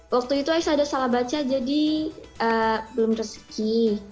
waktu itu ais ada salah baca jadi belum rezeki